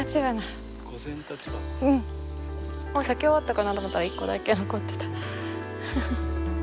もう咲き終わったかなと思ったら１個だけ残ってた。